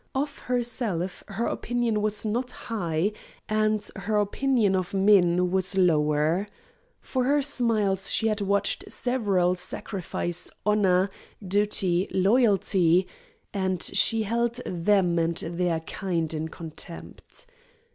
Of herself her opinion was not high, and her opinion of men was lower. For her smiles she had watched several sacrifice honor, duty, loyalty; and she held them and their kind in contempt.